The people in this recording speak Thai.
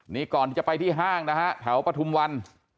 นี่ก่อนที่จะไปที่ห้างนะฮะแถวปฐุมวัน